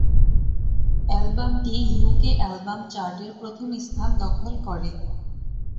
অ্যালবামটি UK album চার্টের প্রথম স্থান দখল করে।